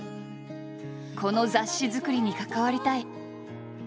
「この雑誌作りに関わりたい」。